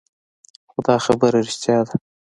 خو دا خبره رښتيا ده.